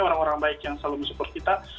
orang orang baik yang selalu mensupport kita